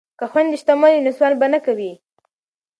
که خویندې شتمنې وي نو سوال به نه کوي.